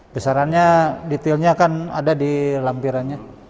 besarannya detailnya kan ada di lampirannya